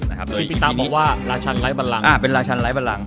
นะครับโดยอีพีตามบอกว่าราชันไร้บันลังอ่าเป็นราชันไร้บันลัง